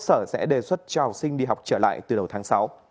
sở sẽ đề xuất cho học sinh đi học trở lại từ đầu tháng sáu